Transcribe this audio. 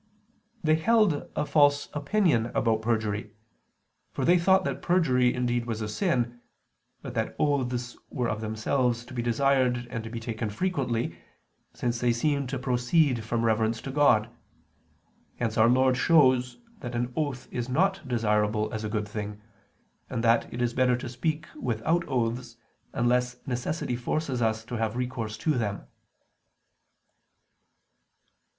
They held a false opinion about perjury, for they thought that perjury indeed was a sin; but that oaths were of themselves to be desired and to be taken frequently, since they seem to proceed from reverence to God. Hence Our Lord shows that an oath is not desirable as a good thing; and that it is better to speak without oaths, unless necessity forces us to have recourse to them.